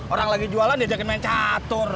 orang lagi jualan dia jakin main catur